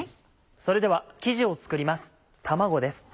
それでは生地を作ります卵です。